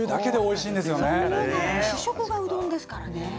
主食がうどんですからね。